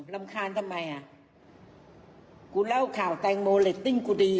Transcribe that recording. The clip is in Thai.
รำคาญทำไมอะกูเล่าค่าวแตงโมบ้างเหล็กติ้งกูดี